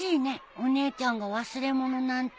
お姉ちゃんが忘れ物なんて。